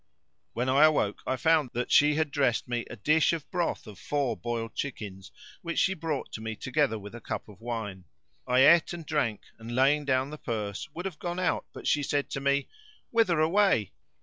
When I awoke I found that she had dressed me a dish of broth of four boiled chickens, which she brought to me together with a cup of wine. I ate and drank and laying down the purse, would have gone out; but she said to me, "Whither away?"